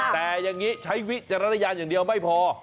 แต่อย่างนี้ใช้วิจารณญาณอย่างเดียวไม่พอ